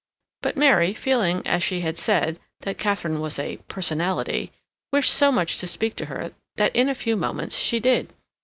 But Mary, feeling, as she had said, that Katharine was a "personality," wished so much to speak to her that in a few moments she did.